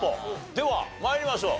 では参りましょう。